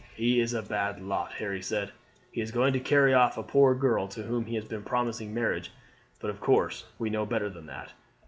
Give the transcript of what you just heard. "He is a bad lot," Harry said; "he is going to carry off a poor girl to whom he has been promising marriage; but of course we know better than that.